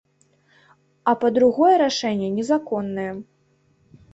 А па-другое, рашэнне незаконнае.